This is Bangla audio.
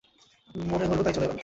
মনে ধরল তাই চলে এলাম।